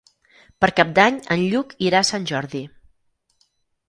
Per Cap d'Any en Lluc irà a Sant Jordi.